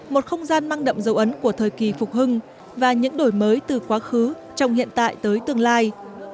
một không gian mang đậm dấu ấn của thời kỳ phục hưng và những đổi mới từ quá khứ trong hiện tại tới tương lai